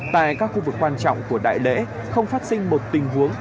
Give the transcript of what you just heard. tại các khu vực quan trọng của đại lễ không phát sinh một tình huống